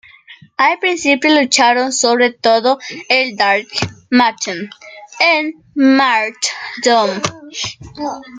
Al principio lucharon sobre todo en dark matches en "SmackDown!